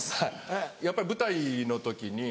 はいやっぱ舞台の時に。